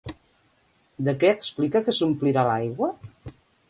De què explica que s'omplirà l'aigua?